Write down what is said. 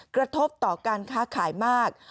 กระทบต่อการค้าขายมาก